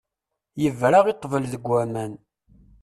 Yebra i ṭṭbel deg waman.